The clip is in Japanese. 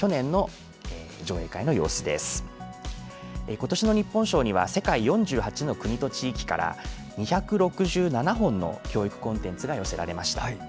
今年の日本賞には世界４８の国と地域から２６７本の教育コンテンツが寄せられました。